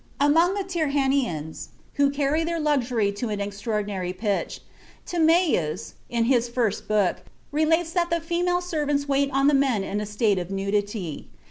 "Among the Tyrrhenians, who carry their luxury to an extraordinary pitch, Timæus, in his first book, relates that the female servants wait on the men in a state of nudity.